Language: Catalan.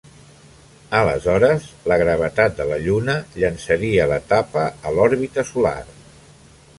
Aleshores, la gravetat de la lluna llençaria l'etapa a l'òrbita solar.